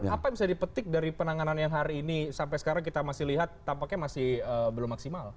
apa yang bisa dipetik dari penanganan yang hari ini sampai sekarang kita masih lihat tampaknya masih belum maksimal